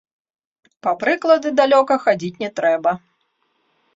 Па прыклады далёка хадзіць не трэба.